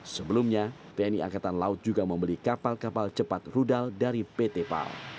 sebelumnya tni angkatan laut juga membeli kapal kapal cepat rudal dari pt pal